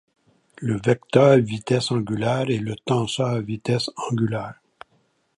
Le vecteur vitesse angulaire et le tenseur vitesse angulaire.